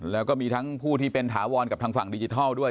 แล้วก็มีทั้งผู้ที่เป็นถาวรกับทางฝั่งดิจิทัลด้วย